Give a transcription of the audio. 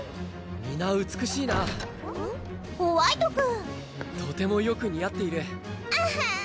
皆美しいなホワイト君とてもよく似合っているあはん